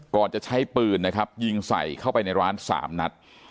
ก่อนจะใช้ปืนนะครับยิงใส่เข้าไปในร้าน๓นัด